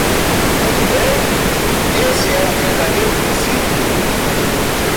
Muito bem! Esse é o verdadeiro princípio.